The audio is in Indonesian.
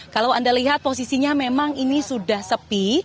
kalau anda lihat posisinya memang ini sudah sepi